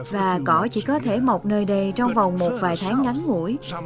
và cỏ chỉ có thể mọc nơi đây trong vòng một vài tháng ngắn ngũi